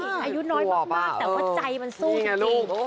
อายุน้อยมากแต่ว่าใจมันสู้นะลูก